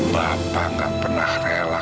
bapak tidak pernah rela